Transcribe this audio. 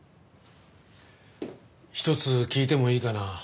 一つ聞いてもいいかな？